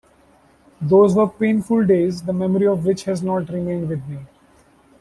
Those were painful days, the memory of which has not remained with me.